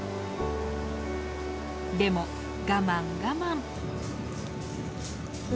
でも我慢我慢。